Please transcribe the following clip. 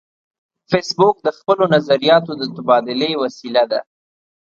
فېسبوک د خپلو نظریاتو د تبادلې وسیله ده